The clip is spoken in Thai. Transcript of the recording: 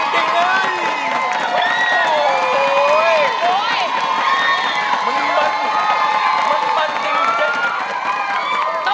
มันปันจินเตะ